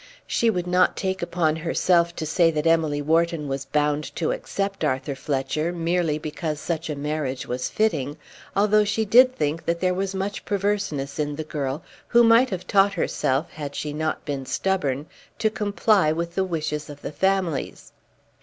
She would not take upon herself to say that Emily Wharton was bound to accept Arthur Fletcher, merely because such a marriage was fitting, although she did think that there was much perverseness in the girl, who might have taught herself, had she not been stubborn, to comply with the wishes of the families.